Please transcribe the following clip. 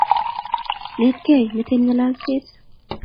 Netkei ,meten ng'alalset.